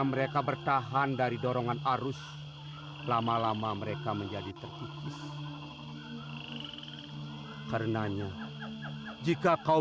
mereka bertahan dari dorongan arus lama lama mereka menjadi terkikis karenanya jika kau